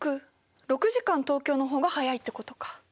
６時間東京の方が早いってことか。